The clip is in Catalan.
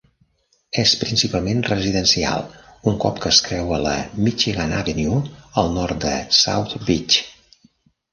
És principalment residencial un cop que es creua la Michigan Avenue al nord de South Beach.